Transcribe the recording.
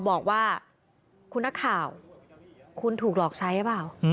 บอกว่าคุณนักข่าวคุณถูกหลอกใช้หรือเปล่า